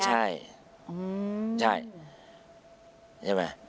ใช่ใช่ไหม